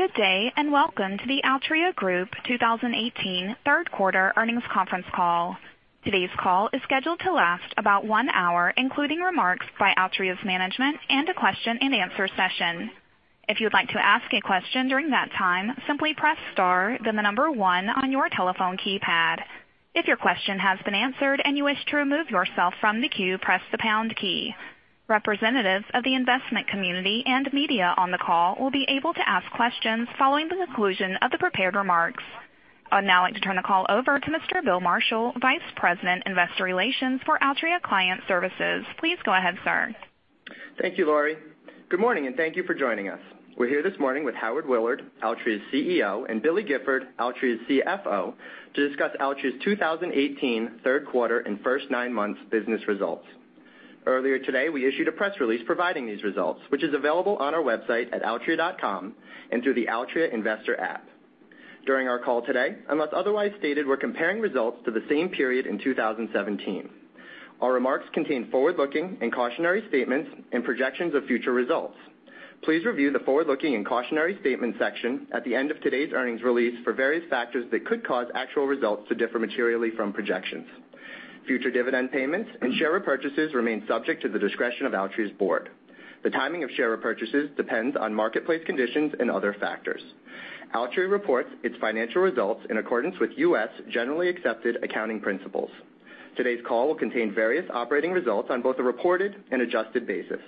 Good day, welcome to the Altria Group 2018 third quarter earnings conference call. Today's call is scheduled to last about one hour, including remarks by Altria's management and a question and answer session. If you'd like to ask a question during that time, simply press star, the number one on your telephone keypad. If your question has been answered and you wish to remove yourself from the queue, press the pound key. Representatives of the investment community and media on the call will be able to ask questions following the conclusion of the prepared remarks. I'd now like to turn the call over to Mr. Bill Marshall, Vice President, Investor Relations for Altria Client Services. Please go ahead, sir. Thank you, Laurie. Good morning, thank you for joining us. We're here this morning with Howard Willard, Altria's CEO, and Billy Gifford, Altria's CFO, to discuss Altria's 2018 third quarter and first nine months business results. Earlier today, we issued a press release providing these results, which is available on our website at altria.com and through the Altria Investor app. During our call today, unless otherwise stated, we're comparing results to the same period in 2017. Our remarks contain forward-looking and cautionary statements and projections of future results. Please review the forward-looking and cautionary statement section at the end of today's earnings release for various factors that could cause actual results to differ materially from projections. Future dividend payments and share repurchases remain subject to the discretion of Altria's board. The timing of share repurchases depends on marketplace conditions and other factors. Altria reports its financial results in accordance with U.S. generally accepted accounting principles. Today's call will contain various operating results on both a reported and adjusted basis.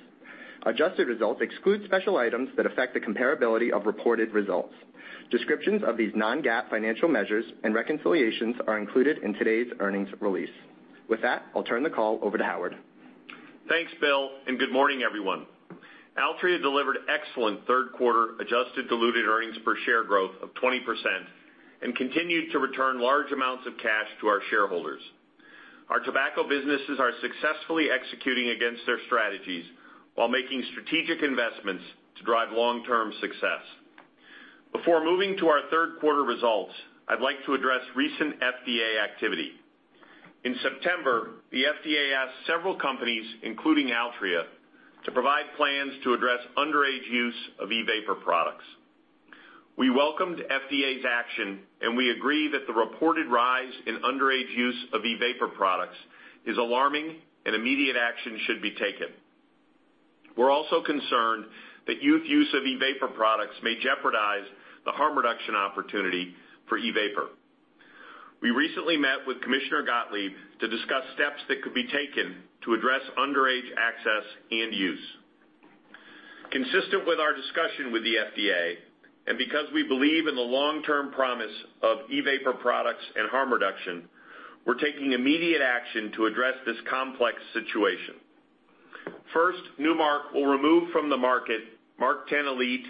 Adjusted results exclude special items that affect the comparability of reported results. Descriptions of these non-GAAP financial measures and reconciliations are included in today's earnings release. With that, I'll turn the call over to Howard. Thanks, Bill, good morning, everyone. Altria delivered excellent third quarter adjusted diluted earnings per share growth of 20% and continued to return large amounts of cash to our shareholders. Our tobacco businesses are successfully executing against their strategies while making strategic investments to drive long-term success. Before moving to our third quarter results, I'd like to address recent FDA activity. In September, the FDA asked several companies, including Altria, to provide plans to address underage use of e-vapor products. We welcomed FDA's action, we agree that the reported rise in underage use of e-vapor products is alarming and immediate action should be taken. We're also concerned that youth use of e-vapor products may jeopardize the harm reduction opportunity for e-vapor. We recently met with Commissioner Gottlieb to discuss steps that could be taken to address underage access and use. Consistent with our discussion with the FDA, because we believe in the long-term promise of e-vapor products and harm reduction, we're taking immediate action to address this complex situation. First, Nu Mark will remove from the market MarkTen Elite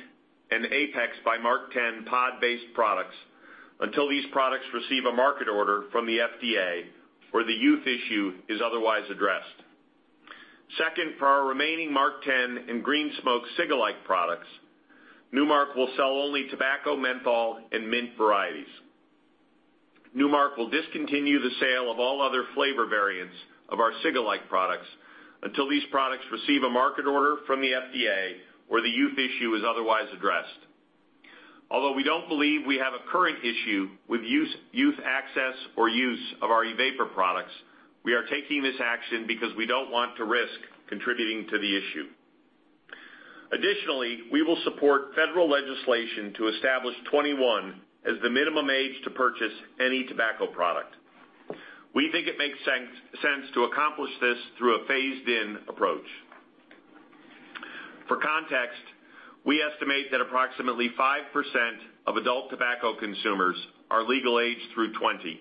and Apex by MarkTen pod-based products until these products receive a market order from the FDA or the youth issue is otherwise addressed. Second, for our remaining MarkTen and Green Smoke cig-alike products, Nu Mark will sell only tobacco, menthol, and mint varieties. Nu Mark will discontinue the sale of all other flavor variants of our cig-alike products until these products receive a market order from the FDA or the youth issue is otherwise addressed. Although we don't believe we have a current issue with youth access or use of our e-vapor products, we are taking this action because we don't want to risk contributing to the issue. Additionally, we will support federal legislation to establish 21 as the minimum age to purchase any tobacco product. We think it makes sense to accomplish this through a phased-in approach. For context, we estimate that approximately 5% of adult tobacco consumers are legal age through 20,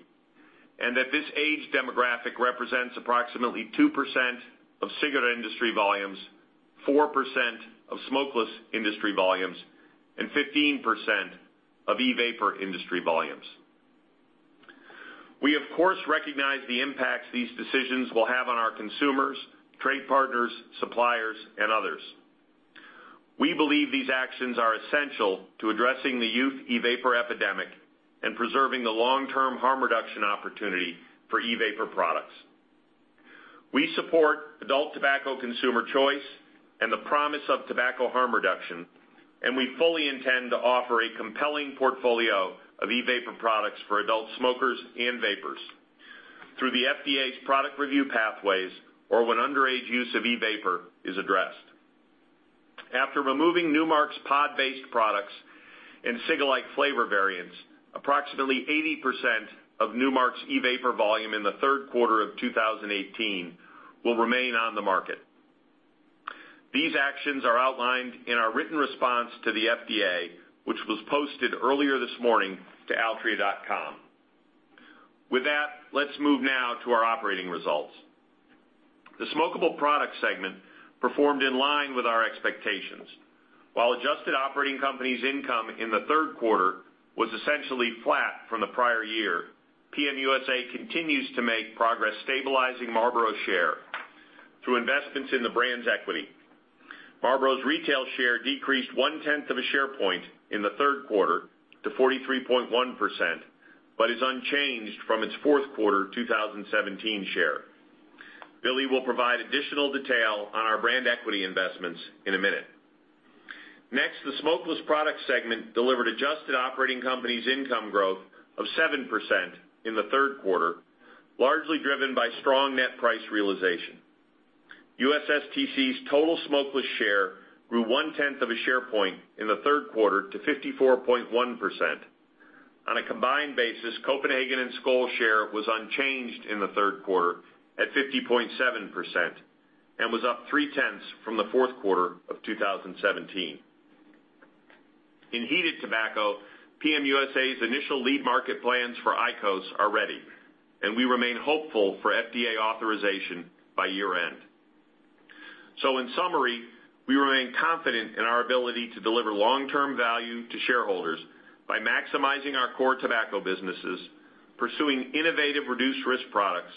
and that this age demographic represents approximately 2% of cigarette industry volumes, 4% of smokeless industry volumes, and 15% of e-vapor industry volumes. We, of course, recognize the impacts these decisions will have on our consumers, trade partners, suppliers, and others. We believe these actions are essential to addressing the youth e-vapor epidemic and preserving the long-term harm reduction opportunity for e-vapor products. We support adult tobacco consumer choice and the promise of tobacco harm reduction, we fully intend to offer a compelling portfolio of e-vapor products for adult smokers and vapers through the FDA's product review pathways or when underage use of e-vapor is addressed. After removing Nu Mark's pod-based products and cig-alike flavor variants, approximately 80% of Nu Mark's e-vapor volume in the third quarter of 2018 will remain on the market. These actions are outlined in our written response to the FDA, which was posted earlier this morning to altria.com. With that, let's move now to our operating results. The smokable product segment performed in line with our expectations. While adjusted operating company's income in the third quarter was essentially flat from the prior year, PM USA continues to make progress stabilizing Marlboro's share through investments in the brand's equity. Marlboro's retail share decreased one tenth of a share point in the third quarter to 43.1%, but is unchanged from its fourth quarter 2017 share. Billy will provide additional detail on our brand equity investments in a minute. Next, the smokeless products segment delivered adjusted operating company's income growth of 7% in the third quarter, largely driven by strong net price realization. USSTC's total smokeless share grew one-tenth of a share point in the third quarter to 54.1%. On a combined basis, Copenhagen and Skoal share was unchanged in the third quarter at 50.7% and was up three-tenths from the fourth quarter of 2017. In heated tobacco, PM USA's initial lead market plans for IQOS are ready, we remain hopeful for FDA authorization by year-end. In summary, we remain confident in our ability to deliver long-term value to shareholders by maximizing our core tobacco businesses, pursuing innovative reduced-risk products,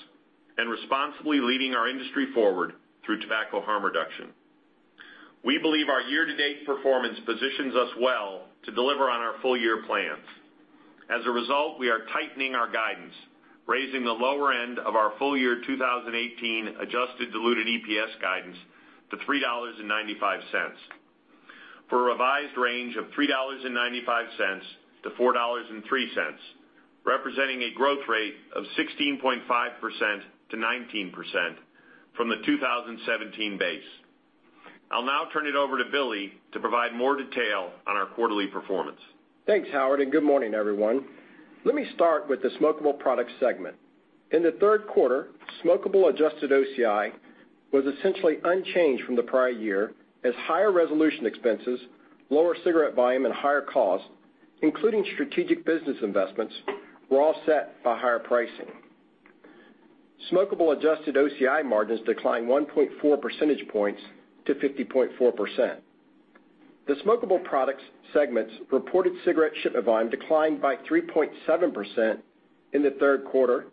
and responsibly leading our industry forward through tobacco harm reduction. We believe our year-to-date performance positions us well to deliver on our full-year plans. As a result, we are tightening our guidance, raising the lower end of our full-year 2018 adjusted diluted EPS guidance to $3.95 for a revised range of $3.95-$4.03, representing a growth rate of 16.5%-19% from the 2017 base. I'll now turn it over to Billy to provide more detail on our quarterly performance. Thanks, Howard, and good morning, everyone. Let me start with the smokable product segment. In the third quarter, smokable adjusted OCI was essentially unchanged from the prior year as higher resolution expenses, lower cigarette volume, and higher costs, including strategic business investments, were offset by higher pricing. Smokable adjusted OCI margins declined 1.4 percentage points to 50.4%. The smokable products segment's reported cigarette shipment volume declined by 3.7% in the third quarter,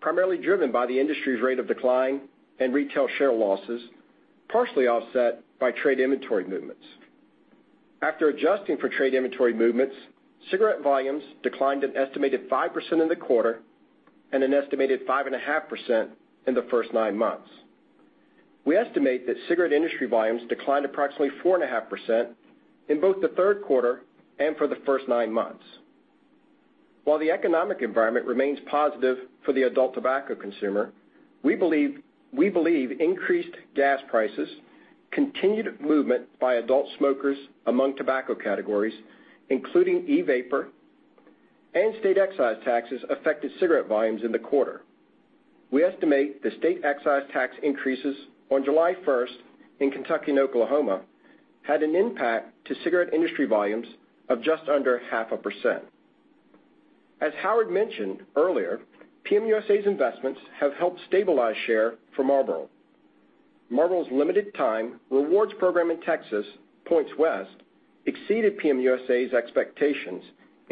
primarily driven by the industry's rate of decline and retail share losses, partially offset by trade inventory movements. After adjusting for trade inventory movements, cigarette volumes declined an estimated 5% in the quarter and an estimated 5.5% in the first nine months. We estimate that cigarette industry volumes declined approximately 4.5% in both the third quarter and for the first nine months. While the economic environment remains positive for the adult tobacco consumer, we believe increased gas prices, continued movement by adult smokers among tobacco categories, including e-vapor, and state excise taxes affected cigarette volumes in the quarter. We estimate the state excise tax increases on July 1st in Kentucky and Oklahoma had an impact to cigarette industry volumes of just under half a percent. As Howard mentioned earlier, PM USA's investments have helped stabilize share for Marlboro. Marlboro's limited time rewards program in Texas, Points West, exceeded PM USA's expectations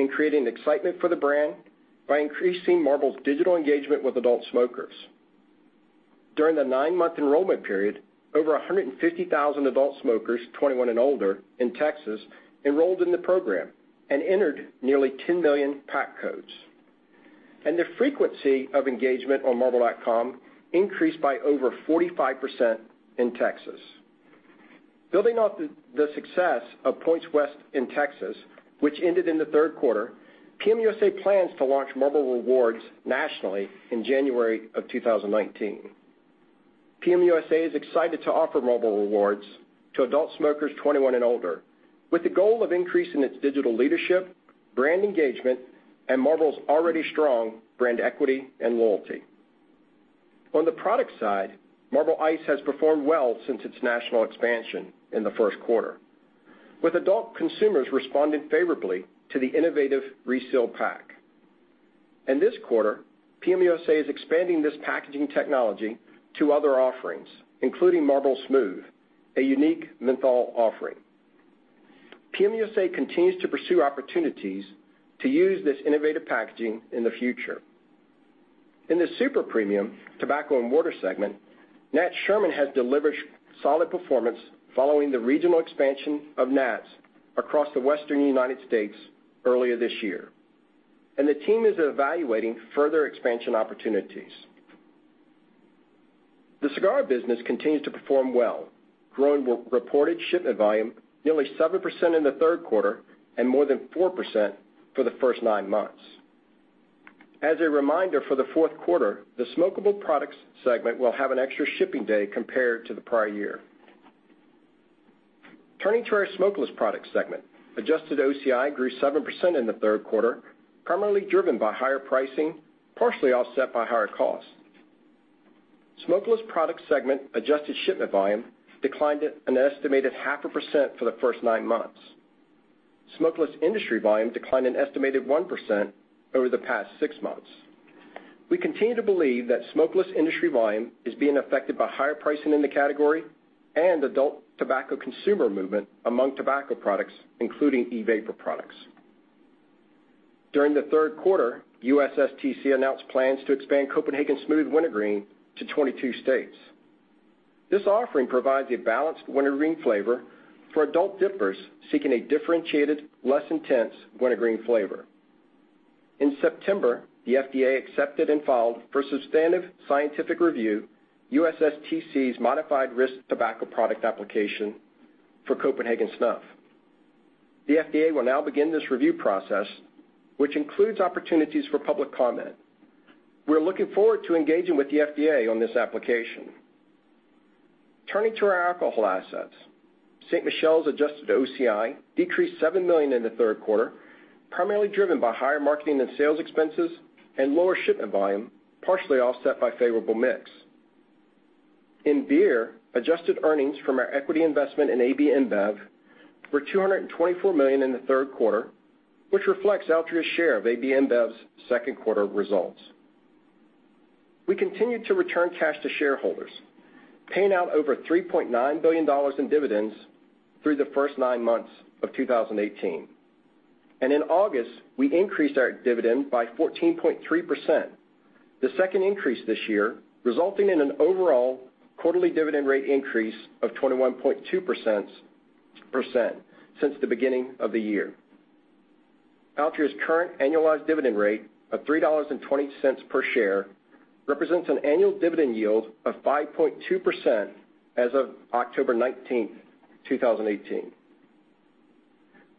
in creating excitement for the brand by increasing Marlboro's digital engagement with adult smokers. During the nine-month enrollment period, over 150,000 adult smokers, 21 and older in Texas, enrolled in the program and entered nearly 10 million pack codes. The frequency of engagement on marlboro.com increased by over 45% in Texas. Building off the success of Points West in Texas, which ended in the third quarter, PM USA plans to launch Marlboro Rewards nationally in January of 2019. PM USA is excited to offer Marlboro Rewards to adult smokers 21 and older, with the goal of increasing its digital leadership, brand engagement, and Marlboro's already strong brand equity and loyalty. On the product side, Marlboro Ice has performed well since its national expansion in the first quarter, with adult consumers responding favorably to the innovative reseal pack. In this quarter, PM USA is expanding this packaging technology to other offerings, including Marlboro Smooth, a unique menthol offering. PM USA continues to pursue opportunities to use this innovative packaging in the future. In the super premium tobacco and cigar segment, Nat Sherman has delivered solid performance following the regional expansion of Nat's across the Western U.S. earlier this year. The team is evaluating further expansion opportunities. The cigar business continues to perform well, growing reported shipment volume nearly 7% in the third quarter and more than 4% for the first nine months. As a reminder, for the fourth quarter, the smokable products segment will have an extra shipping day compared to the prior year. Turning to our smokeless products segment. Adjusted OCI grew 7% in the third quarter, primarily driven by higher pricing, partially offset by higher costs. Smokeless products segment adjusted shipment volume declined an estimated 0.5% for the first nine months. Smokeless industry volume declined an estimated 1% over the past six months. We continue to believe that smokeless industry volume is being affected by higher pricing in the category and adult tobacco consumer movement among tobacco products, including e-vapor products. During the third quarter, USSTC announced plans to expand Copenhagen Smooth Wintergreen to 22 states. This offering provides a balanced wintergreen flavor for adult dippers seeking a differentiated, less intense wintergreen flavor. In September, the FDA accepted and filed for substantive scientific review USSTC's modified risk tobacco product application for Copenhagen Snuff. The FDA will now begin this review process, which includes opportunities for public comment. We're looking forward to engaging with the FDA on this application. Turning to our alcohol assets. Ste. Michelle's adjusted OCI decreased $7 million in the third quarter, primarily driven by higher marketing and sales expenses and lower shipment volume, partially offset by favorable mix. In beer, adjusted earnings from our equity investment in AB InBev were $224 million in the third quarter, which reflects Altria's share of AB InBev's second quarter results. We continued to return cash to shareholders, paying out over $3.9 billion in dividends through the first nine months of 2018. In August, we increased our dividend by 14.3%, the second increase this year, resulting in an overall quarterly dividend rate increase of 21.2% since the beginning of the year. Altria's current annualized dividend rate of $3.20 per share represents an annual dividend yield of 5.2% as of October 19, 2018.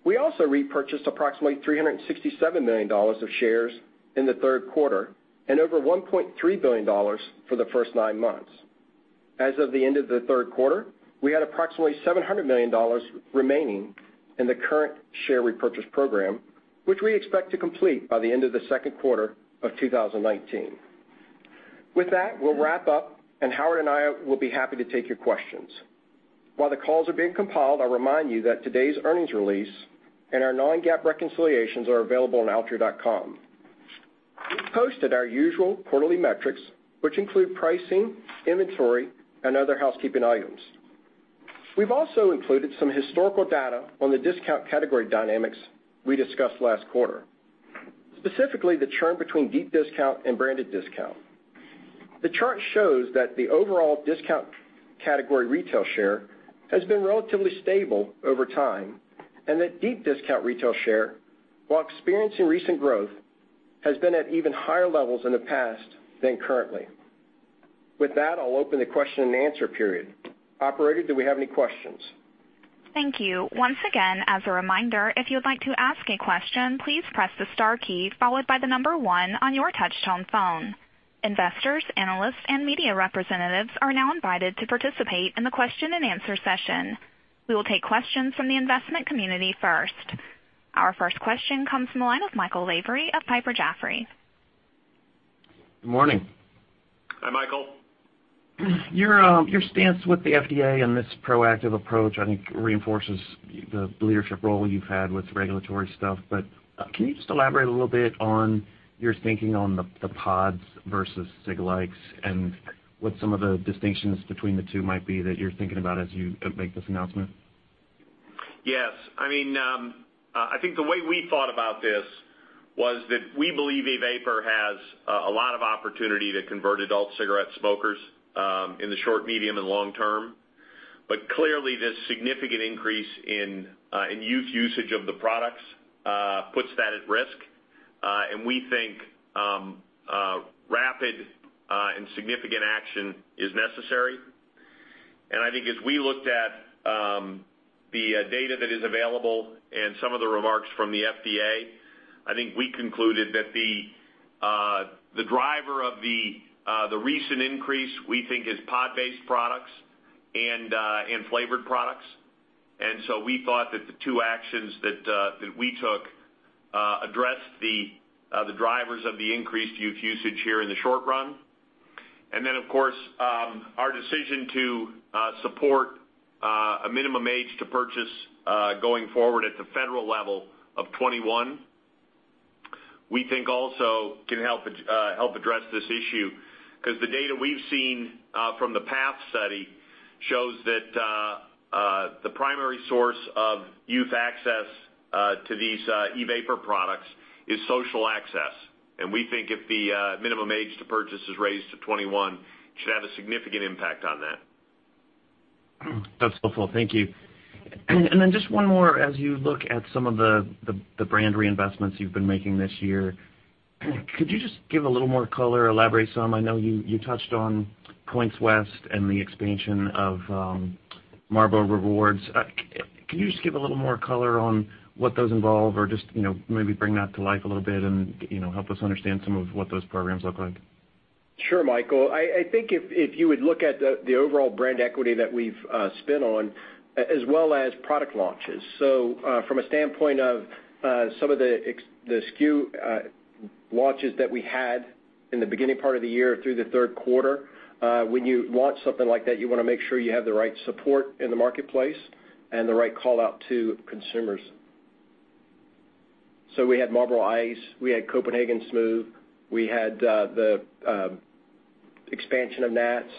We also repurchased approximately $367 million of shares in the third quarter, and over $1.3 billion for the first nine months. As of the end of the third quarter, we had approximately $700 million remaining in the current share repurchase program, which we expect to complete by the end of the second quarter of 2019. With that, we'll wrap up. Howard and I will be happy to take your questions. While the calls are being compiled, I'll remind you that today's earnings release and our non-GAAP reconciliations are available on altria.com. We've posted our usual quarterly metrics, which include pricing, inventory, and other housekeeping items. We've also included some historical data on the discount category dynamics we discussed last quarter, specifically the churn between deep discount and branded discount. The chart shows that the overall discount category retail share has been relatively stable over time, that deep discount retail share, while experiencing recent growth, has been at even higher levels in the past than currently. With that, I'll open the question and answer period. Operator, do we have any questions? Thank you. Once again, as a reminder, if you would like to ask a question, please press the star key followed by the number 1 on your touchtone phone. Investors, analysts, and media representatives are now invited to participate in the question and answer session. We will take questions from the investment community first. Our first question comes from the line of Michael Lavery of Piper Jaffray. Good morning. Hi, Michael. Your stance with the FDA and this proactive approach, I think, reinforces the leadership role you've had with regulatory stuff. Can you just elaborate a little bit on your thinking on the pods versus cig-alikes and what some of the distinctions between the two might be that you're thinking about as you make this announcement? Yes. I think the way we thought about this was that we believe e-vapor has a lot of opportunity to convert adult cigarette smokers in the short, medium, and long term. Clearly, this significant increase in youth usage of the products puts that at risk. We think rapid and significant action is necessary. I think as we looked at the data that is available and some of the remarks from the FDA, I think we concluded that the driver of the recent increase, we think, is pod-based products and flavored products. We thought that the two actions that we took addressed the drivers of the increased youth usage here in the short run. Then, of course, our decision to support a minimum age to purchase going forward at the federal level of 21, we think also can help address this issue. The data we've seen from the PATH study shows that the primary source of youth access to these e-vapor products is social access. We think if the minimum age to purchase is raised to 21, it should have a significant impact on that. That's helpful. Thank you. Just one more. As you look at some of the brand reinvestments you've been making this year, could you just give a little more color, elaborate some? I know you touched on Points West and the expansion of Marlboro Rewards. Can you just give a little more color on what those involve or just maybe bring that to life a little bit and help us understand some of what those programs look like? Sure, Michael. I think if you would look at the overall brand equity that we've spent on, as well as product launches. From a standpoint of some of the SKU launches that we had in the beginning part of the year through the third quarter, when you launch something like that, you want to make sure you have the right support in the marketplace and the right call-out to consumers. We had Marlboro Ice, we had Copenhagen Smooth, we had the expansion of Nat's.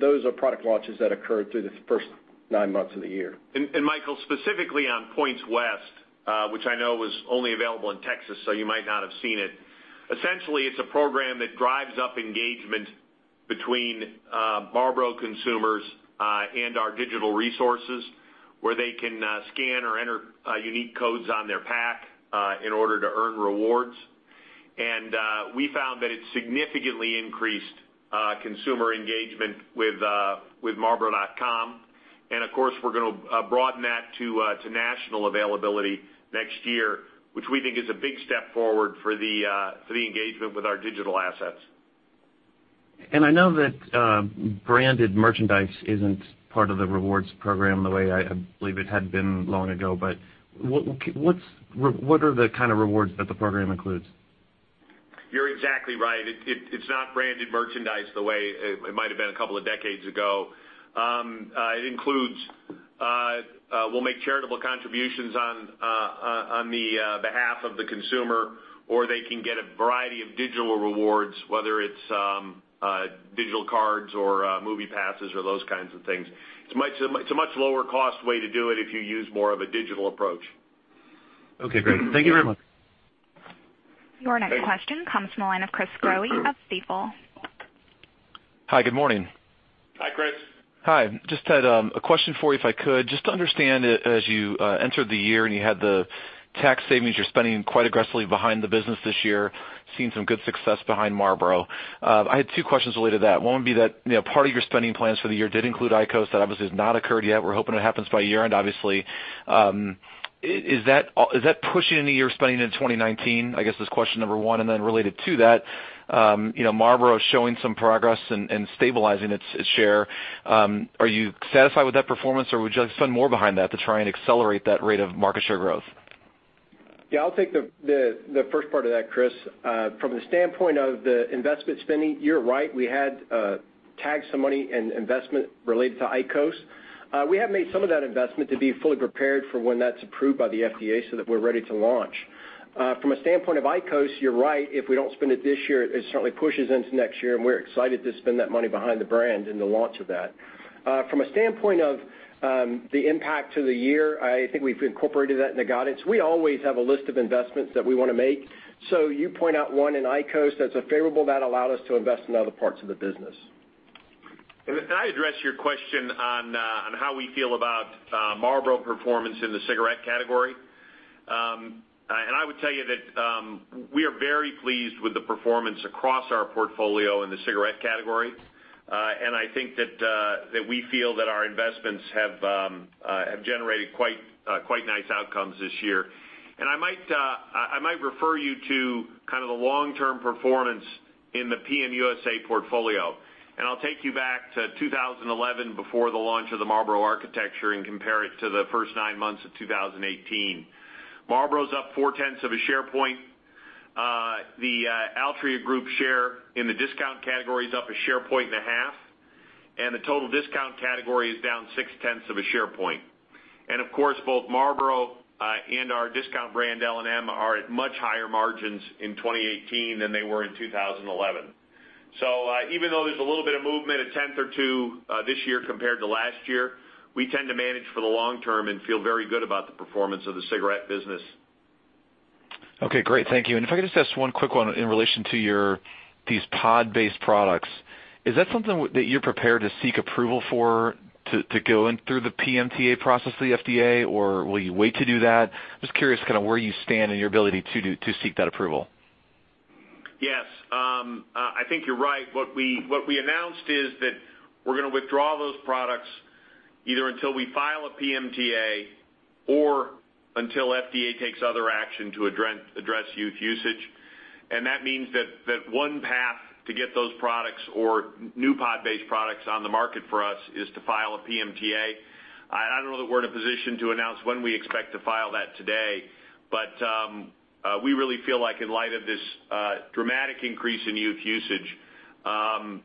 Those are product launches that occurred through the first nine months of the year. Michael, specifically on Points West, which I know was only available in Texas, so you might not have seen it. Essentially, it's a program that drives up engagement Between Marlboro consumers and our digital resources, where they can scan or enter unique codes on their pack in order to earn rewards. We found that it significantly increased consumer engagement with marlboro.com. Of course, we're going to broaden that to national availability next year, which we think is a big step forward for the engagement with our digital assets. I know that branded merchandise isn't part of the rewards program the way I believe it had been long ago, but what are the kind of rewards that the program includes? You're exactly right. It's not branded merchandise the way it might've been a couple of decades ago. It includes, we'll make charitable contributions on the behalf of the consumer, or they can get a variety of digital rewards, whether it's digital cards or movie passes or those kinds of things. It's a much lower cost way to do it if you use more of a digital approach. Okay, great. Thank you very much. Your next question comes from the line of Chris Growe of Stifel. Hi, good morning. Hi, Chris. Hi. Just had a question for you, if I could. Just to understand, as you entered the year and you had the tax savings, you're spending quite aggressively behind the business this year, seeing some good success behind Marlboro. I had two questions related to that. One would be that part of your spending plans for the year did include IQOS. That obviously has not occurred yet. We're hoping it happens by year-end, obviously. Is that pushing into your spending in 2019? I guess that's question number one. Related to that, Marlboro's showing some progress in stabilizing its share. Are you satisfied with that performance, or would you like to spend more behind that to try and accelerate that rate of market share growth? Yeah, I'll take the first part of that, Chris. From the standpoint of the investment spending, you're right, we had tagged some money and investment related to IQOS. We have made some of that investment to be fully prepared for when that's approved by the FDA so that we're ready to launch. From a standpoint of IQOS, you're right. If we don't spend it this year, it certainly pushes into next year, and we're excited to spend that money behind the brand and the launch of that. From a standpoint of the impact to the year, I think we've incorporated that in the guidance. We always have a list of investments that we want to make. You point out one in IQOS. That's a favorable that allowed us to invest in other parts of the business. Can I address your question on how we feel about Marlboro performance in the cigarette category? I would tell you that we are very pleased with the performance across our portfolio in the cigarette category. I think that we feel that our investments have generated quite nice outcomes this year. I might refer you to the long-term performance in the PM USA portfolio. I'll take you back to 2011 before the launch of the Marlboro architecture and compare it to the first nine months of 2018. Marlboro's up four-tenths of a share point. The Altria Group share in the discount category is up a share point and a half, the total discount category is down six-tenths of a share point. Of course, both Marlboro and our discount brand, L&M, are at much higher margins in 2018 than they were in 2011. Even though there's a little bit of movement, a tenth or two this year compared to last year, we tend to manage for the long term and feel very good about the performance of the cigarette business. Okay, great. Thank you. If I could just ask one quick one in relation to these pod-based products. Is that something that you're prepared to seek approval for to go in through the PMTA process of the FDA, or will you wait to do that? Just curious where you stand in your ability to seek that approval. Yes. I think you're right. What we announced is that we're going to withdraw those products either until we file a PMTA or until FDA takes other action to address youth usage. That means that one path to get those products or new pod-based products on the market for us is to file a PMTA. I don't know that we're in a position to announce when we expect to file that today, but we really feel like in light of this dramatic increase in youth usage,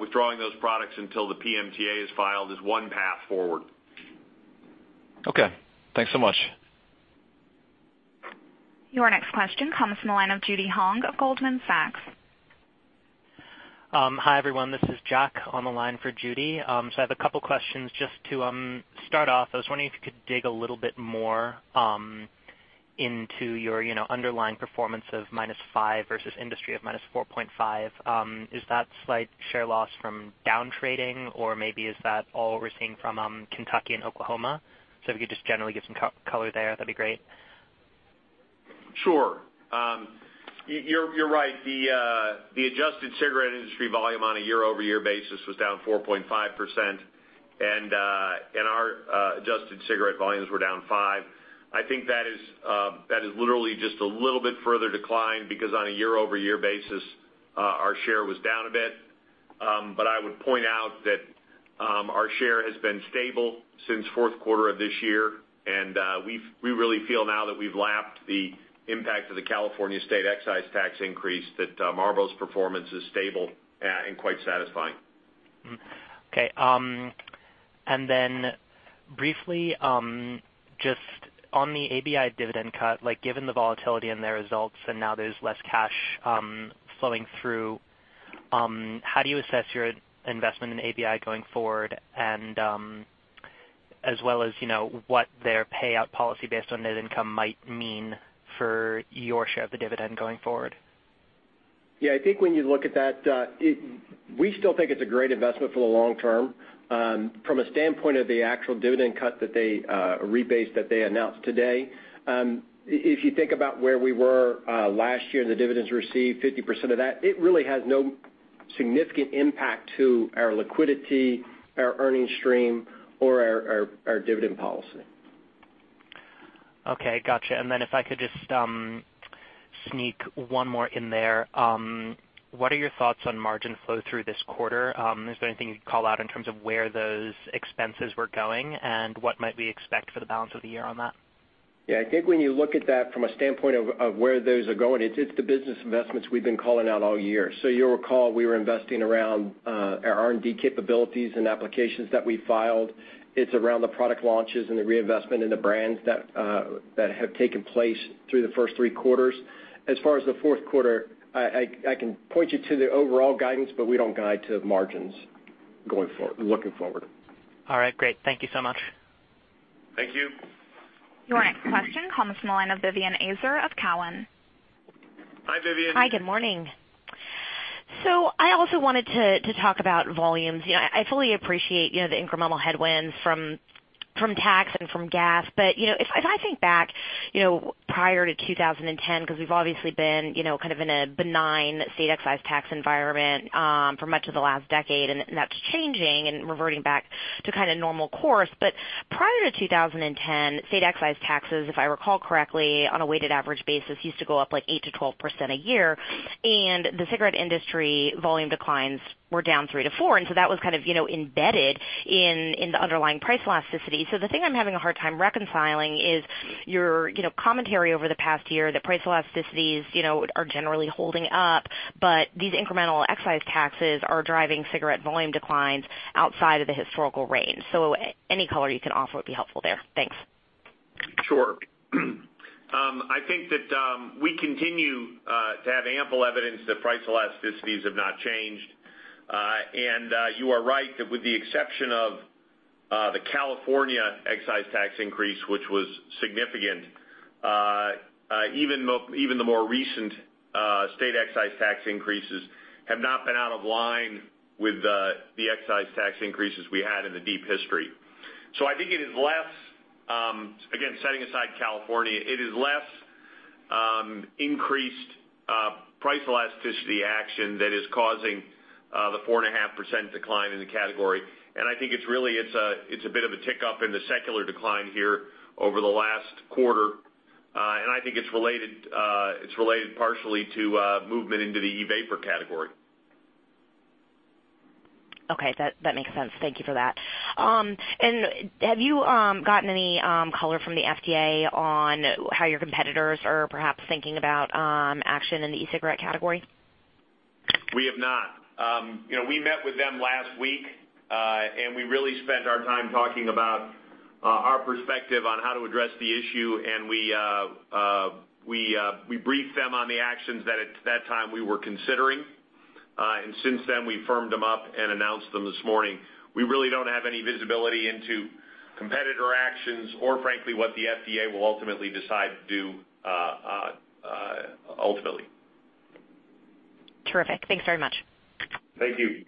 withdrawing those products until the PMTA is filed is one path forward. Okay. Thanks so much. Your next question comes from the line of Judy Hong of Goldman Sachs. Hi, everyone. This is Jack on the line for Judy. I have a couple questions. Just to start off, I was wondering if you could dig a little bit more into your underlying performance of -5% versus industry of -4.5%. Is that slight share loss from down trading, or maybe is that all what we're seeing from Kentucky and Oklahoma? If you could just generally give some color there, that'd be great. Sure. You're right. The adjusted cigarette industry volume on a year-over-year basis was down 4.5%, and our adjusted cigarette volumes were down 5%. I think that is literally just a little bit further decline because on a year-over-year basis, our share was down a bit. I would point out that our share has been stable since fourth quarter of this year, and we really feel now that we've lapped the impact of the California state excise tax increase, that Marlboro's performance is stable and quite satisfying. Okay. Briefly, just on the ABI dividend cut, given the volatility in their results and now there's less cash flowing through, how do you assess your investment in ABI going forward as well as what their payout policy based on net income might mean for your share of the dividend going forward. I think when you look at that, we still think it's a great investment for the long term. From a standpoint of the actual dividend cut, a rebase that they announced today, if you think about where we were last year and the dividends received, 50% of that, it really has no significant impact to our liquidity, our earnings stream, or our dividend policy. Got you. If I could just sneak one more in there. What are your thoughts on margin flow through this quarter? Is there anything you'd call out in terms of where those expenses were going and what might we expect for the balance of the year on that? I think when you look at that from a standpoint of where those are going, it's the business investments we've been calling out all year. You'll recall, we were investing around our R&D capabilities and applications that we filed. It's around the product launches and the reinvestment in the brands that have taken place through the first three quarters. As far as the fourth quarter, I can point you to the overall guidance, we don't guide to margins looking forward. Great. Thank you so much. Thank you. Your next question comes from the line of Vivien Azer of Cowen. Hi, Vivien. Hi, good morning. I also wanted to talk about volumes. I fully appreciate the incremental headwinds from tax and from gas, but if I think back prior to 2010, because we've obviously been kind of in a benign state excise tax environment for much of the last decade, and that's changing and reverting back to kind of normal course. Prior to 2010, state excise taxes, if I recall correctly, on a weighted average basis, used to go up like 8%-12% a year, and the cigarette industry volume declines were down 3%-4%. That was kind of embedded in the underlying price elasticity. The thing I'm having a hard time reconciling is your commentary over the past year that price elasticities are generally holding up, but these incremental excise taxes are driving cigarette volume declines outside of the historical range. Any color you can offer would be helpful there. Thanks. Sure. I think that we continue to have ample evidence that price elasticities have not changed. You are right, that with the exception of the California excise tax increase, which was significant, even the more recent state excise tax increases have not been out of line with the excise tax increases we had in the deep history. I think it is less, again, setting aside California, it is less increased price elasticity action that is causing the 4.5% decline in the category. I think it's a bit of a tick up in the secular decline here over the last quarter. I think it's related partially to movement into the e-vapor category. Okay. That makes sense. Thank you for that. Have you gotten any color from the FDA on how your competitors are perhaps thinking about action in the e-cigarette category? We have not. We met with them last week, and we really spent our time talking about our perspective on how to address the issue, and we briefed them on the actions that at that time we were considering. Since then, we firmed them up and announced them this morning. We really don't have any visibility into competitor actions or frankly, what the FDA will ultimately decide to do ultimately. Terrific. Thanks very much. Thank you.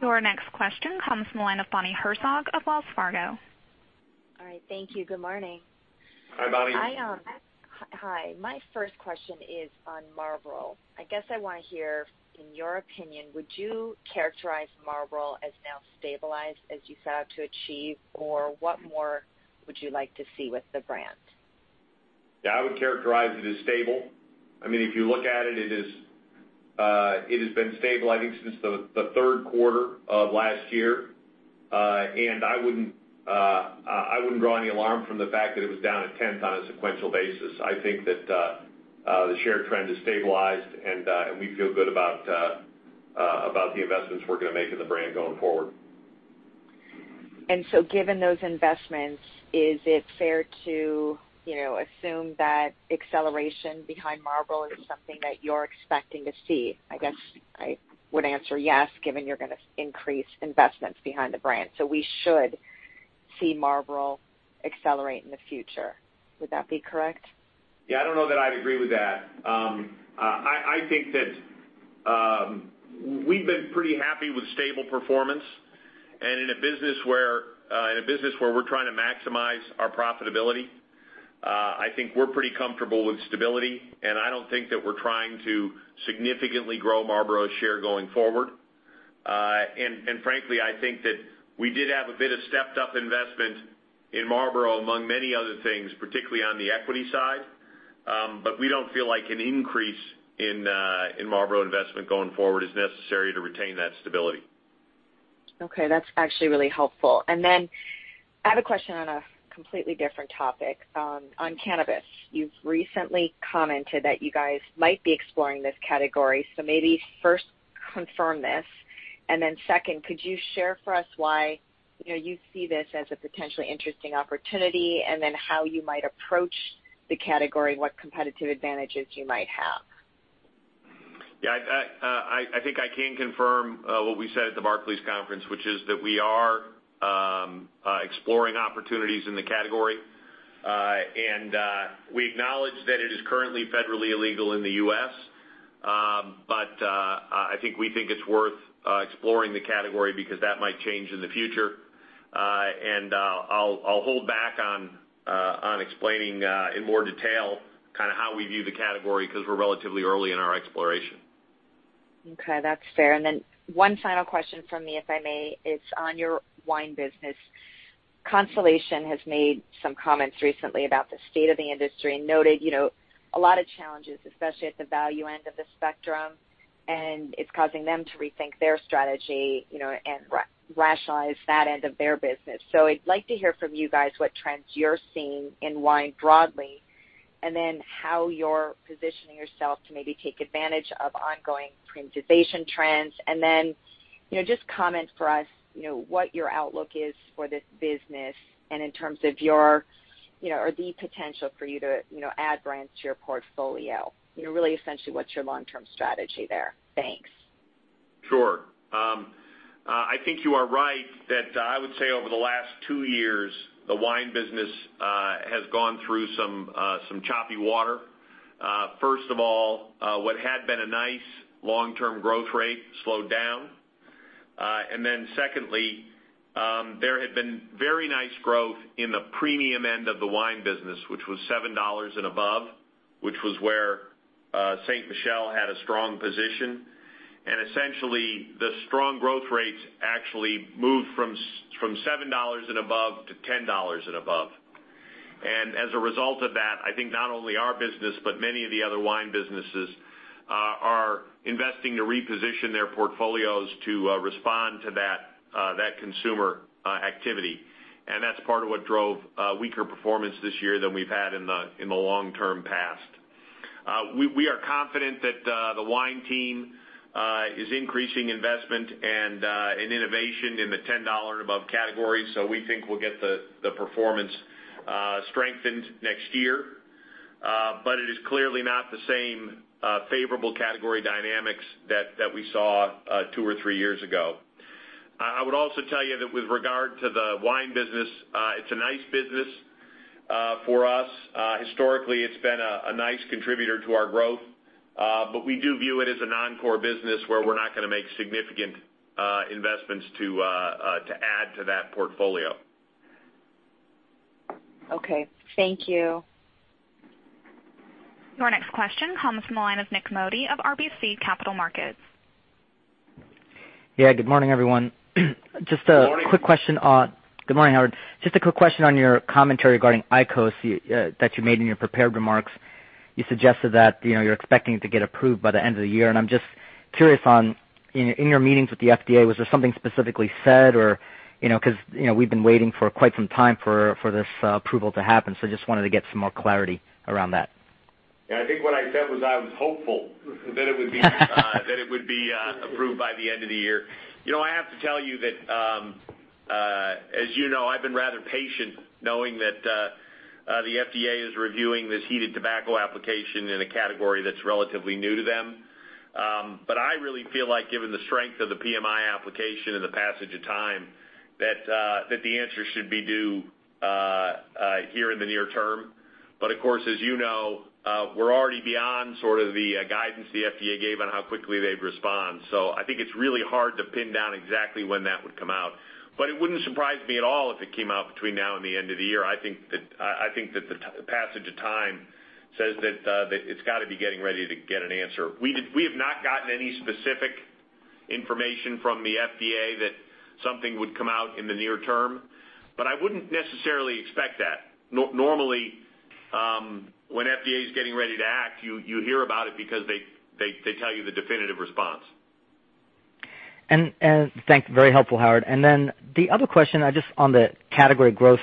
Your next question comes from the line of Bonnie Herzog of Wells Fargo. All right. Thank you. Good morning. Hi, Bonnie. Hi. My first question is on Marlboro. I guess I want to hear, in your opinion, would you characterize Marlboro as now stabilized as you set out to achieve, or what more would you like to see with the brand? Yeah, I would characterize it as stable. If you look at it has been stable, I think, since the third quarter of last year. I wouldn't draw any alarm from the fact that it was down a tenth on a sequential basis. I think that the share trend has stabilized, we feel good about the investments we're going to make in the brand going forward. Given those investments, is it fair to assume that acceleration behind Marlboro is something that you're expecting to see? I guess I would answer yes, given you're going to increase investments behind the brand. We should see Marlboro accelerate in the future. Would that be correct? I don't know that I'd agree with that. I think that we've been pretty happy with stable performance, and in a business where we're trying to maximize our profitability, I think we're pretty comfortable with stability. I don't think that we're trying to significantly grow Marlboro's share going forward. Frankly, I think that we did have a bit of stepped-up investment in Marlboro, among many other things, particularly on the equity side. We don't feel like an increase in Marlboro investment going forward is necessary to retain that stability. Okay. That's actually really helpful. I have a question on a completely different topic. On cannabis, you've recently commented that you guys might be exploring this category. Maybe first confirm this. Second, could you share for us why you see this as a potentially interesting opportunity, how you might approach the category, what competitive advantages you might have? I think I can confirm what we said at the Barclays conference, which is that we are exploring opportunities in the category. We acknowledge that it is currently federally illegal in the U.S. I think we think it's worth exploring the category because that might change in the future. I'll hold back on explaining in more detail how we view the category because we're relatively early in our exploration. Okay, that's fair. One final question from me, if I may. It's on your wine business. Constellation has made some comments recently about the state of the industry and noted a lot of challenges, especially at the value end of the spectrum, and it's causing them to rethink their strategy and rationalize that end of their business. I'd like to hear from you guys what trends you're seeing in wine broadly, how you're positioning yourself to maybe take advantage of ongoing premiumization trends. Just comment for us, what your outlook is for this business and in terms of the potential for you to add brands to your portfolio. Really essentially, what's your long-term strategy there? Thanks. Sure. I think you are right that I would say over the last two years, the wine business has gone through some choppy water. First of all, what had been a nice long-term growth rate slowed down. Secondly, there had been very nice growth in the premium end of the wine business, which was $7 and above, which was where Ste. Michelle had a strong position. Essentially, the strong growth rates actually moved from $7 and above to $10 and above. As a result of that, I think not only our business, but many of the other wine businesses are investing to reposition their portfolios to respond to that consumer activity. That's part of what drove weaker performance this year than we've had in the long-term past. We are confident that the wine team is increasing investment and innovation in the $10 and above category, we think we'll get the performance strengthened next year. It is clearly not the same favorable category dynamics that we saw two or three years ago. I would also tell you that with regard to the wine business, it's a nice business for us. Historically, it's been a nice contributor to our growth. We do view it as a non-core business where we're not going to make significant investments to add to that portfolio. Okay. Thank you. Your next question comes from the line of Nik Modi of RBC Capital Markets. Yeah, good morning, everyone. Good morning. Just a quick question. Good morning, Howard. Just a quick question on your commentary regarding IQOS that you made in your prepared remarks. You suggested that you're expecting to get approved by the end of the year. I'm just curious on, in your meetings with the FDA, was there something specifically said or, because we've been waiting for quite some time for this approval to happen. Just wanted to get some more clarity around that. Yeah, I think what I said was I was hopeful that it would be approved by the end of the year. I have to tell you that, as you know, I've been rather patient knowing that the FDA is reviewing this heated tobacco application in a category that's relatively new to them. I really feel like given the strength of the PMI application and the passage of time, that the answer should be due here in the near term. Of course, as you know, we're already beyond sort of the guidance the FDA gave on how quickly they'd respond. I think it's really hard to pin down exactly when that would come out. It wouldn't surprise me at all if it came out between now and the end of the year. I think that the passage of time says that it's got to be getting ready to get an answer. We have not gotten any specific information from the FDA that something would come out in the near term, I wouldn't necessarily expect that. Normally, when FDA is getting ready to act, you hear about it because they tell you the definitive response. Thanks. Very helpful, Howard. The other question, just on the category growth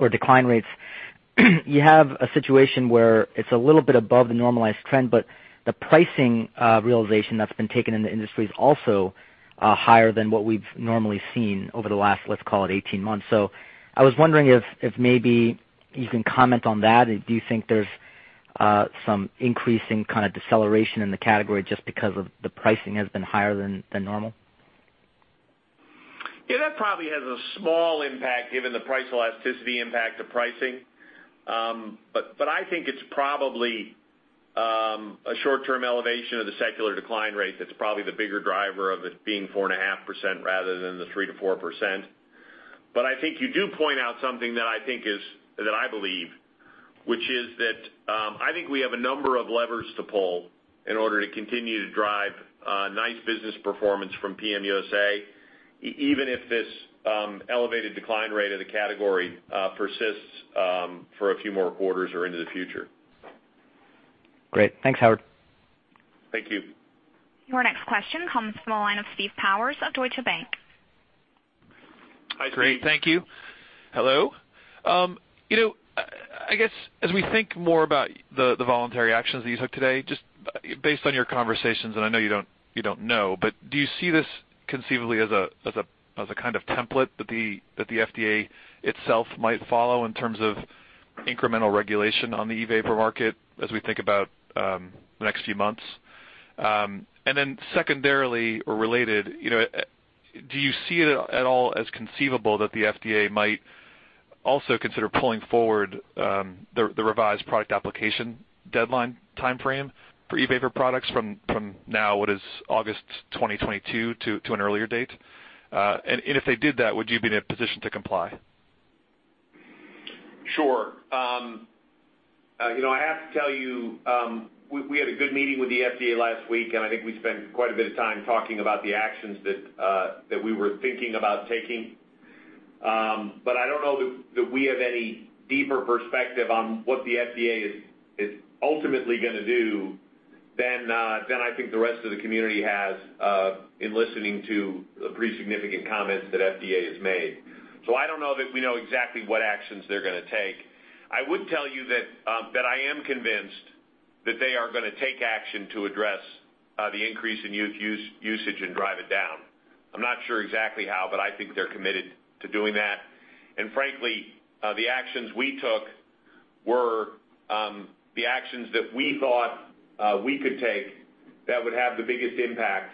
or decline rates, you have a situation where it's a little bit above the normalized trend, the pricing realization that's been taken in the industry is also higher than what we've normally seen over the last, let's call it 18 months. I was wondering if maybe you can comment on that. Do you think there's some increasing kind of deceleration in the category just because of the pricing has been higher than normal? Yeah, that probably has a small impact given the price elasticity impact of pricing. I think it's probably a short-term elevation of the secular decline rate that's probably the bigger driver of it being 4.5% rather than the 3%-4%. I think you do point out something that I believe, which is that I think we have a number of levers to pull in order to continue to drive nice business performance from PM USA, even if this elevated decline rate of the category persists for a few more quarters or into the future. Great. Thanks, Howard. Thank you. Your next question comes from the line of Steve Powers of Deutsche Bank. Hi, Steve. Great. Thank you. Hello. I guess as we think more about the voluntary actions that you took today, just based on your conversations, and I know you don't know, but do you see this conceivably as a kind of template that the FDA itself might follow in terms of incremental regulation on the e-vapor market as we think about the next few months. Secondarily or related, do you see it at all as conceivable that the FDA might also consider pulling forward the revised product application deadline timeframe for e-vapor products from now, what is August 2022, to an earlier date? If they did that, would you be in a position to comply? Sure. I have to tell you, we had a good meeting with the FDA last week. I think we spent quite a bit of time talking about the actions that we were thinking about taking. I don't know that we have any deeper perspective on what the FDA is ultimately going to do than I think the rest of the community has in listening to the pretty significant comments that FDA has made. I don't know that we know exactly what actions they're going to take. I would tell you that I am convinced that they are going to take action to address the increase in youth usage and drive it down. I'm not sure exactly how, but I think they're committed to doing that. Frankly, the actions we took were the actions that we thought we could take that would have the biggest impact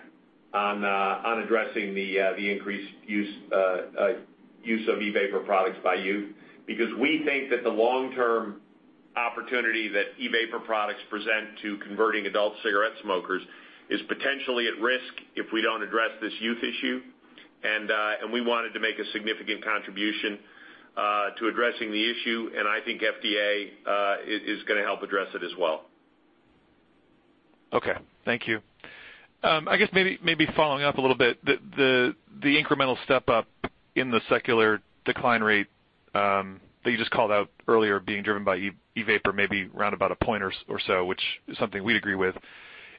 on addressing the increased use of e-vapor products by youth. Because we think that the long-term opportunity that e-vapor products present to converting adult cigarette smokers is potentially at risk if we don't address this youth issue. We wanted to make a significant contribution to addressing the issue, and I think FDA is going to help address it as well. Okay. Thank you. I guess maybe following up a little bit, the incremental step-up in the secular decline rate that you just called out earlier, being driven by e-vapor, maybe around about one point or so, which is something we'd agree with.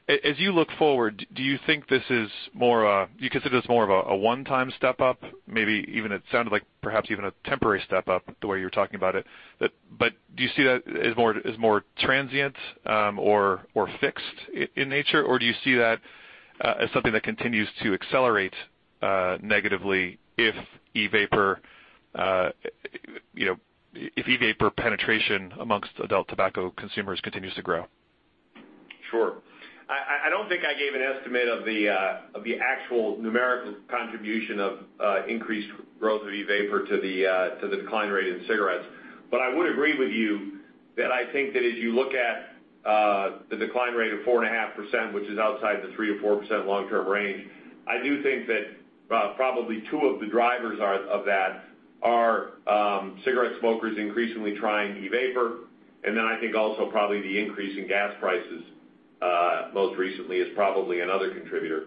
As you look forward, do you think this is more of a one-time step-up? Maybe even it sounded like perhaps even a temporary step-up the way you were talking about it. Do you see that as more transient or fixed in nature, or do you see that as something that continues to accelerate negatively if e-vapor penetration amongst adult tobacco consumers continues to grow? Sure. I don't think I gave an estimate of the actual numerical contribution of increased growth of e-vapor to the decline rate in cigarettes. I would agree with you that I think that as you look at the decline rate of 4.5%, which is outside the 3%-4% long-term range, I do think that probably two of the drivers of that are cigarette smokers increasingly trying e-vapor. I think also probably the increase in gas prices most recently is probably another contributor.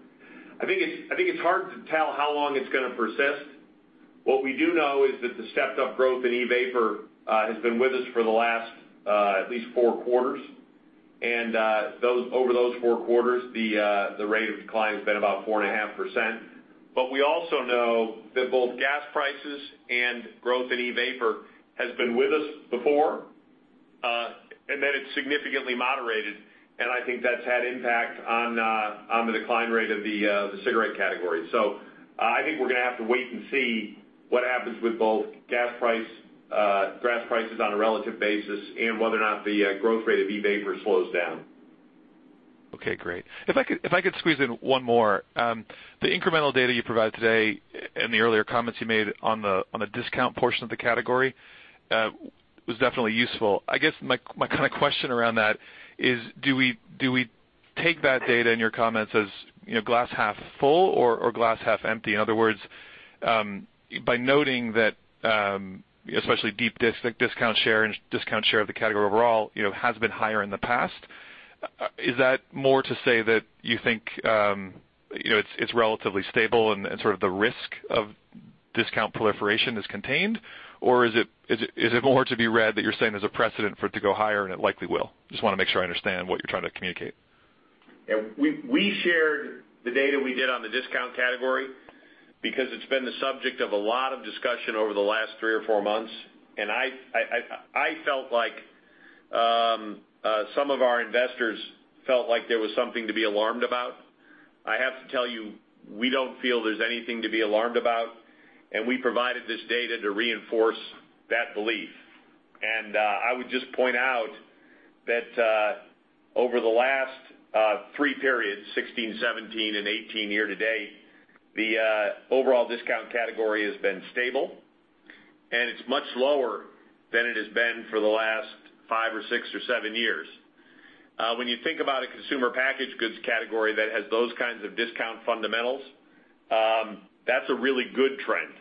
I think it's hard to tell how long it's going to persist. What we do know is that the stepped up growth in e-vapor has been with us for the last at least four quarters. Over those four quarters, the rate of decline has been about 4.5%. We also know that both gas prices and growth in e-vapor has been with us before, and then it significantly moderated, and I think that's had impact on the decline rate of the cigarette category. I think we're going to have to wait and see what happens with both gas prices on a relative basis and whether or not the growth rate of e-vapor slows down. Okay, great. If I could squeeze in one more. The incremental data you provided today and the earlier comments you made on the discount portion of the category was definitely useful. I guess my question around that is, do we take that data and your comments as glass half full or glass half empty? In other words, by noting that especially deep discount share and discount share of the category overall has been higher in the past, is that more to say that you think it's relatively stable and sort of the risk of discount proliferation is contained? Or is it more to be read that you're saying there's a precedent for it to go higher and it likely will? Just want to make sure I understand what you're trying to communicate. We shared the data we did on the discount category because it's been the subject of a lot of discussion over the last three or four months. I felt like some of our investors felt like there was something to be alarmed about. I have to tell you, we don't feel there's anything to be alarmed about, and we provided this data to reinforce that belief. I would just point out that over the last three periods, 2016, 2017, and 2018 year to date, the overall discount category has been stable, and it's much lower than it has been for the last five or six or seven years. When you think about a consumer package goods category that has those kinds of discount fundamentals, that's a really good trend,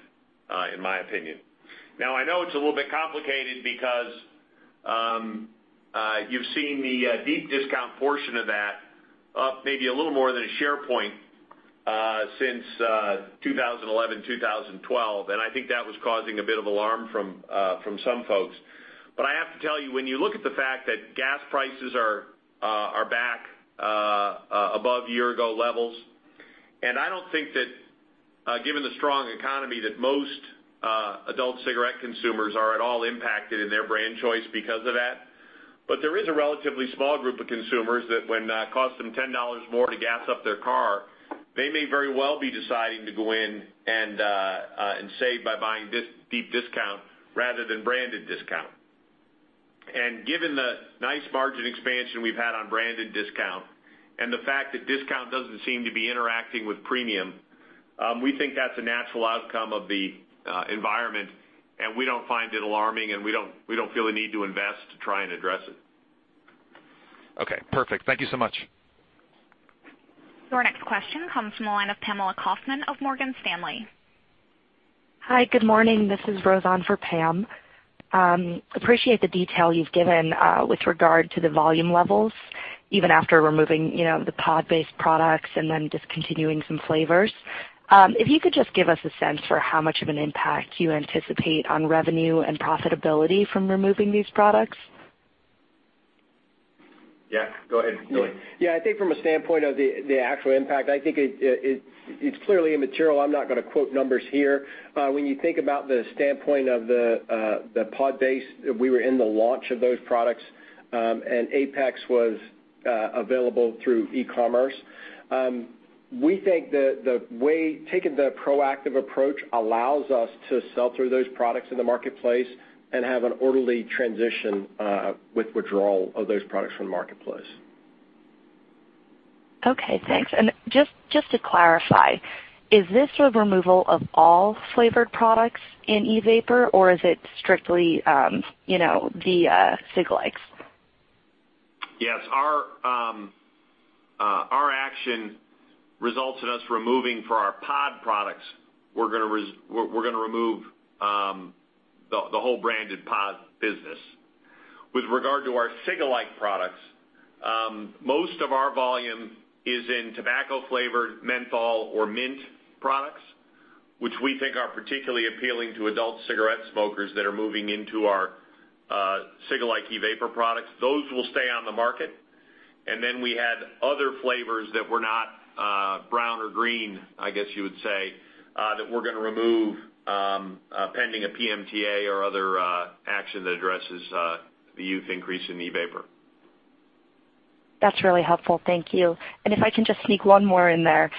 in my opinion. I know it's a little bit complicated because you've seen the deep discount portion of that up maybe a little more than a share point since 2011, 2012, and I think that was causing a bit of alarm from some folks. I have to tell you, when you look at the fact that gas prices are back above year-ago levels, and I don't think that given the strong economy, that most adult cigarette consumers are at all impacted in their brand choice because of that. There is a relatively small group of consumers that when it costs them $10 more to gas up their car, they may very well be deciding to go in and save by buying deep discount rather than branded discount. Given the nice margin expansion we've had on branded discount and the fact that discount doesn't seem to be interacting with premium, we think that's a natural outcome of the environment, we don't find it alarming, and we don't feel a need to invest to try and address it. Okay, perfect. Thank you so much. Your next question comes from the line of Pamela Kaufman of Morgan Stanley. Hi. Good morning. This is Roseanne for Pam. Appreciate the detail you've given with regard to the volume levels, even after removing the pod-based products and then discontinuing some flavors. You could just give us a sense for how much of an impact you anticipate on revenue and profitability from removing these products. Yeah, go ahead, Billy. Yeah, I think from a standpoint of the actual impact, I think it's clearly immaterial. I'm not going to quote numbers here. When you think about the standpoint of the pod base, we were in the launch of those products, and Apex was available through e-commerce. We think that taking the proactive approach allows us to sell through those products in the marketplace and have an orderly transition with withdrawal of those products from the marketplace. Okay, thanks. Just to clarify, is this a removal of all flavored products in e-vapor, or is it strictly the cigalikes? Yes. Our action results in us removing for our pod products, we're going to remove the whole branded pod business. With regard to our cigalike products, most of our volume is in tobacco-flavored menthol or mint products, which we think are particularly appealing to adult cigarette smokers that are moving into our cigalike e-vapor products. Those will stay on the market. Then we had other flavors that were not brown or green, I guess you would say, that we're going to remove pending a PMTA or other action that addresses the youth increase in e-vapor. That's really helpful. Thank you. If I can just sneak one more in there.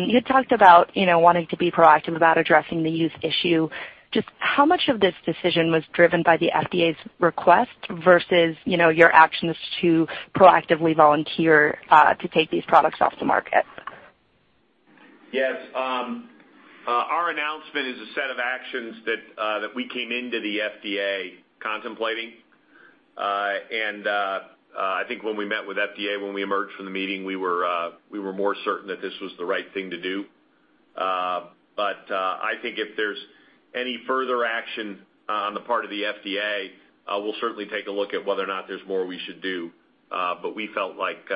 You talked about wanting to be proactive about addressing the youth issue. Just how much of this decision was driven by the FDA's request versus your actions to proactively volunteer to take these products off the market? Yes. Our announcement is a set of actions that we came into the FDA contemplating. I think when we met with FDA, when we emerged from the meeting, we were more certain that this was the right thing to do. I think if there's any further action on the part of the FDA, we'll certainly take a look at whether or not there's more we should do. We felt like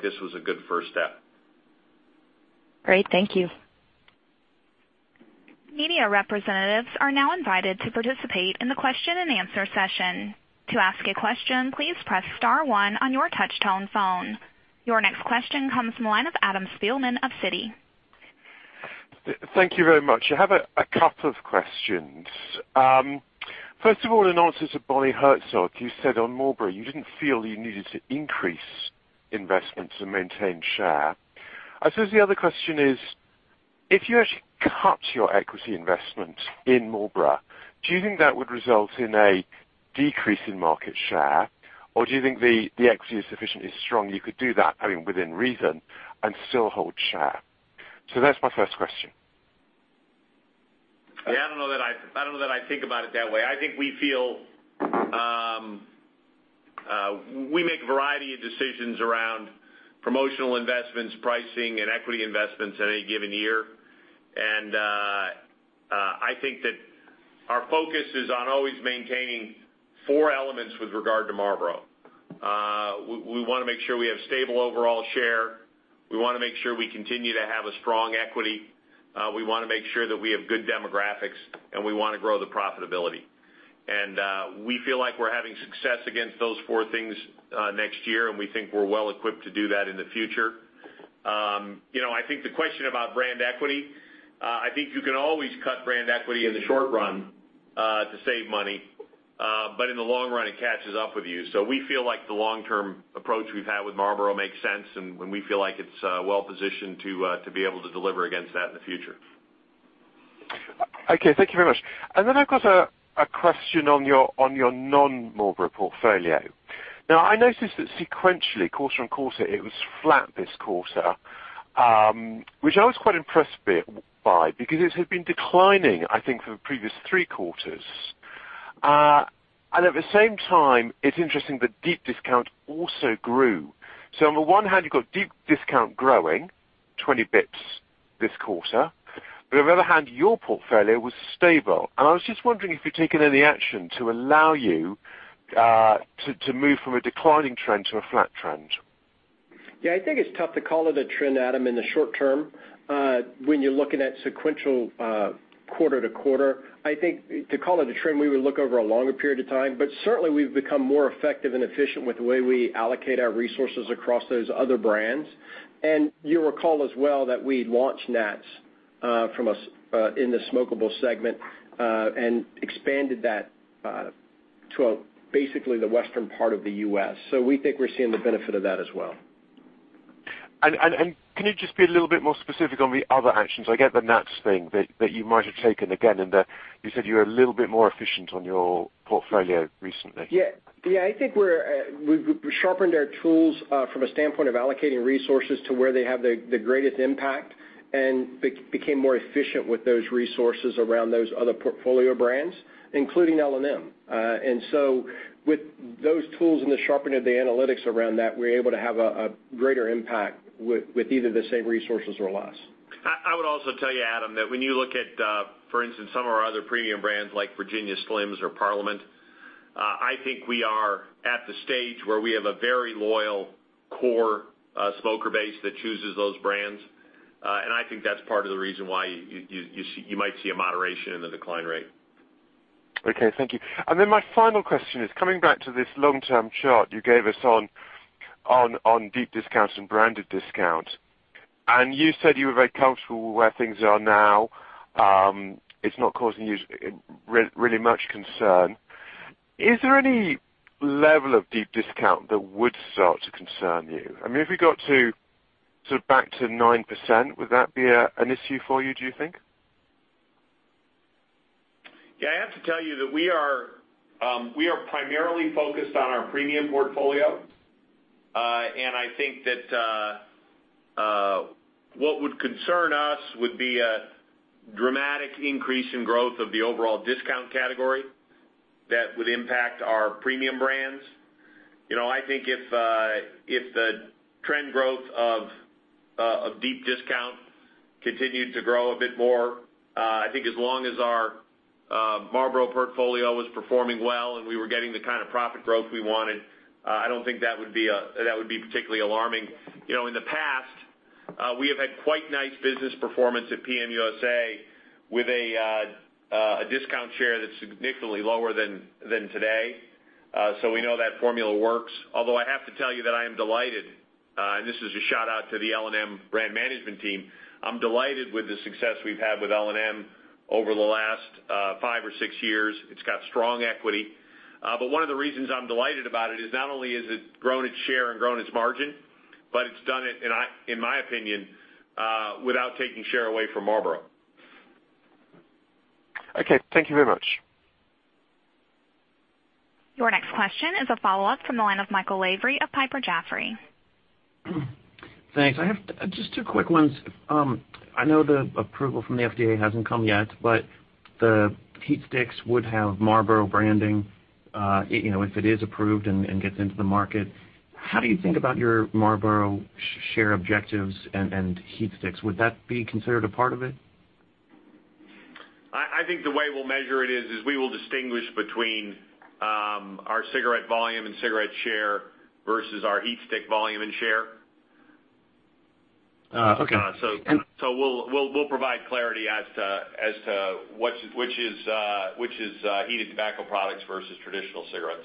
this was a good first step. Great. Thank you. Media representatives are now invited to participate in the question and answer session. To ask a question, please press *1 on your touch-tone phone. Your next question comes from the line of Adam Spielman of Citi. Thank you very much. I have a couple of questions. First of all, in answer to Bonnie Herzog, you said on Marlboro you didn't feel you needed to increase investments and maintain share. I suppose the other question is, if you actually cut your equity investment in Marlboro, do you think that would result in a decrease in market share? Do you think the equity is sufficiently strong, you could do that, I mean, within reason, and still hold share? That's my first question. Yeah, I don't know that I think about it that way. I think we make a variety of decisions around promotional investments, pricing, and equity investments in any given year. I think that our focus is on always maintaining four elements with regard to Marlboro. We want to make sure we have stable overall share. We want to make sure we continue to have a strong equity. We want to make sure that we have good demographics, and we want to grow the profitability. We feel like we're having success against those four things next year, and we think we're well equipped to do that in the future. I think the question about brand equity, I think you can always cut brand equity in the short run to save money. In the long run, it catches up with you. We feel like the long-term approach we've had with Marlboro makes sense, and we feel like it's well-positioned to be able to deliver against that in the future. Okay, thank you very much. Then I've got a question on your non-Marlboro portfolio. Now, I noticed that sequentially, quarter on quarter, it was flat this quarter, which I was quite impressed by because it had been declining, I think, for the previous three quarters. At the same time, it's interesting that deep discount also grew. On the one hand, you've got deep discount growing 20 basis points this quarter. On the other hand, your portfolio was stable. I was just wondering if you've taken any action to allow you to move from a declining trend to a flat trend. Yeah, I think it's tough to call it a trend, Adam, in the short term when you're looking at sequential quarter to quarter. I think to call it a trend, we would look over a longer period of time. Certainly, we've become more effective and efficient with the way we allocate our resources across those other brands. You'll recall as well that we'd launched Nat's in the smokable segment and expanded that to basically the western part of the U.S. We think we're seeing the benefit of that as well. Can you just be a little bit more specific on the other actions? I get the Nat's thing that you might have taken again, and you said you were a little bit more efficient on your portfolio recently. Yeah. I think we've sharpened our tools from a standpoint of allocating resources to where they have the greatest impact and became more efficient with those resources around those other portfolio brands, including L&M. With those tools and the sharpening of the analytics around that, we're able to have a greater impact with either the same resources or less. I would also tell you, Adam, that when you look at, for instance, some of our other premium brands like Virginia Slims or Parliament, I think we are at the stage where we have a very loyal core smoker base that chooses those brands. I think that's part of the reason why you might see a moderation in the decline rate. Okay, thank you. My final question is coming back to this long-term chart you gave us on deep discounts and branded discounts, and you said you were very comfortable with where things are now. It's not causing you really much concern. Is there any level of deep discount that would start to concern you? I mean, if we got back to 9%, would that be an issue for you, do you think? Yeah, I have to tell you that we are primarily focused on our premium portfolio. I think that what would concern us would be a dramatic increase in growth of the overall discount category that would impact our premium brands. I think if the trend growth of deep discount continued to grow a bit more, I think as long as our Marlboro portfolio was performing well and we were getting the kind of profit growth we wanted, I don't think that would be particularly alarming. In the past, we have had quite nice business performance at PM USA with a discount share that's significantly lower than today. We know that formula works. Although I have to tell you that I am delighted, and this is a shout-out to the L&M brand management team, I'm delighted with the success we've had with L&M over the last five or six years. It's got strong equity. One of the reasons I'm delighted about it is not only has it grown its share and grown its margin, but it's done it, in my opinion, without taking share away from Marlboro. Okay. Thank you very much. Your next question is a follow-up from the line of Michael Lavery of Piper Jaffray. Thanks. I have just two quick ones. I know the approval from the FDA hasn't come yet, the HeatSticks would have Marlboro branding if it is approved and gets into the market. How do you think about your Marlboro share objectives and HeatSticks? Would that be considered a part of it? I think the way we'll measure it is we will distinguish between our cigarette volume and cigarette share versus our HeatSticks volume and share. Okay. We'll provide clarity as to which is heated tobacco products versus traditional cigarettes.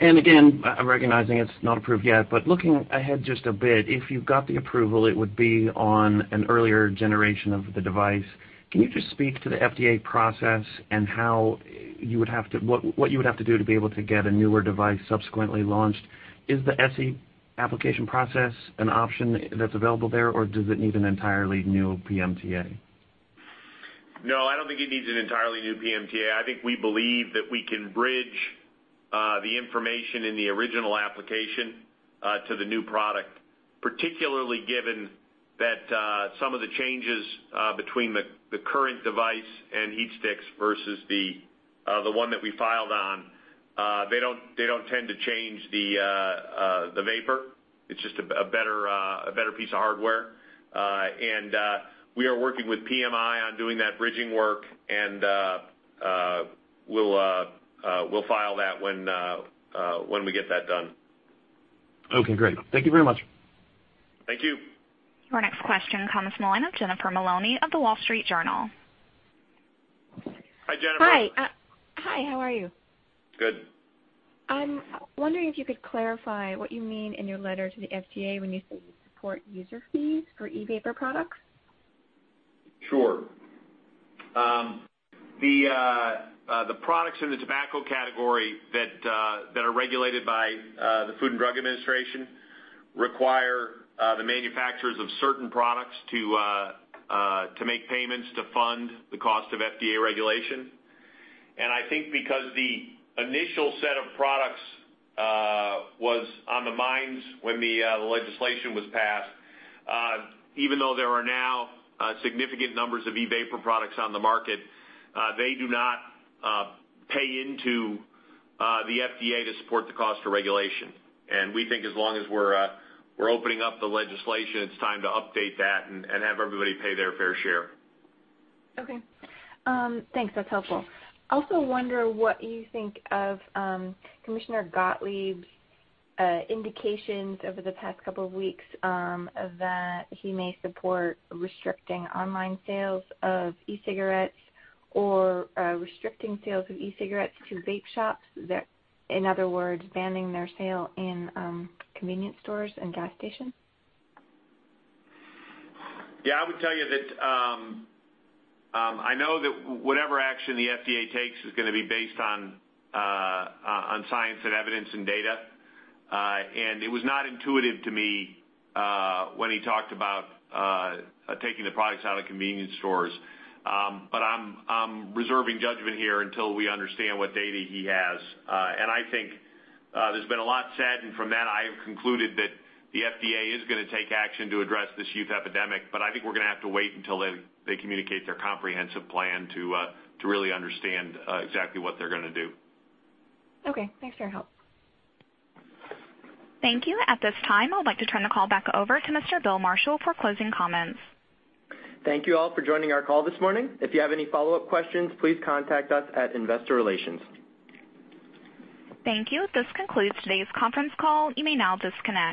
Again, I'm recognizing it's not approved yet, but looking ahead just a bit, if you got the approval, it would be on an earlier generation of the device. Can you just speak to the FDA process and what you would have to do to be able to get a newer device subsequently launched? Is the SE application process an option that's available there, or does it need an entirely new PMTA? No, I don't think it needs an entirely new PMTA. I think we believe that we can bridge the information in the original application to the new product, particularly given that some of the changes between the current device and HeatSticks versus the one that we filed on, they don't tend to change the vapor. It's just a better piece of hardware. We are working with PMI on doing that bridging work, and we'll file that when we get that done. Okay, great. Thank you very much. Thank you. Your next question comes from the line of Jennifer Maloney of The Wall Street Journal. Hi, Jennifer. Hi. How are you? Good. I'm wondering if you could clarify what you mean in your letter to the FDA when you say you support user fees for e-vapor products. Sure. The products in the tobacco category that are regulated by the Food and Drug Administration require the manufacturers of certain products to make payments to fund the cost of FDA regulation. I think because the initial set of products was on the minds when the legislation was passed, even though there are now significant numbers of e-vapor products on the market, they do not pay into the FDA to support the cost of regulation. We think as long as we're opening up the legislation, it's time to update that and have everybody pay their fair share. Okay. Thanks. That's helpful. Also wonder what you think of Commissioner Gottlieb's indications over the past couple of weeks that he may support restricting online sales of e-cigarettes or restricting sales of e-cigarettes to vape shops. In other words, banning their sale in convenience stores and gas stations. Yeah, I would tell you that I know that whatever action the FDA takes is going to be based on science and evidence and data. It was not intuitive to me when he talked about taking the products out of convenience stores. I'm reserving judgment here until we understand what data he has. I think there's been a lot said, and from that, I have concluded that the FDA is going to take action to address this youth epidemic. I think we're going to have to wait until they communicate their comprehensive plan to really understand exactly what they're going to do. Okay, thanks for your help. Thank you. At this time, I would like to turn the call back over to Mr. Bill Marshall for closing comments. Thank you all for joining our call this morning. If you have any follow-up questions, please contact us at Investor Relations. Thank you. This concludes today's conference call. You may now disconnect.